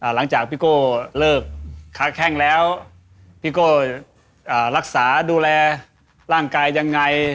หลังจากพี่โก้เลิกค้าแข้งแล้วพี่โก้รักษาดูแลร่างกายยังไง